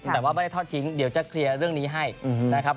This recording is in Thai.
แต่ว่าไม่ได้ทอดทิ้งเดี๋ยวจะเคลียร์เรื่องนี้ให้นะครับ